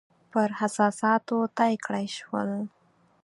پر احساساتو طی کړای شول.